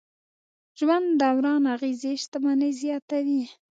ژوند دوران اغېزې شتمني زیاتوي.